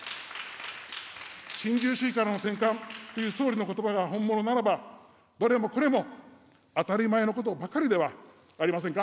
新自由主義からの転換という総理のことばが本物ならば、どれもこれも、当たり前のことばかりではありませんか。